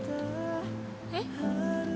えっ？